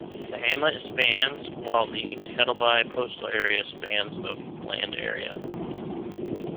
The hamlet spans while the Kettleby postal area spans of land area.